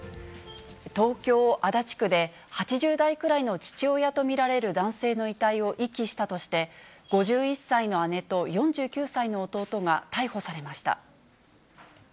東京・足立区で、８０代くらいの父親と見られる男性の遺体を遺棄したとして、５１歳の姉と４９歳の弟が逮捕されました。